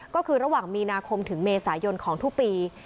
ก็คือระหว่างมีนาคมถึงเมษายนของทุกปี